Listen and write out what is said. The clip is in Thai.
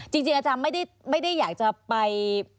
จริงอาจารย์ไม่ได้อยากจะไป